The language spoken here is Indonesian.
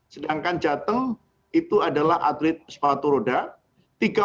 sedangkan jateng itu adalah atlet sepatu roda